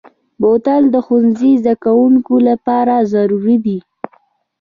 بوتل د ښوونځي زدهکوونکو لپاره ضروري دی.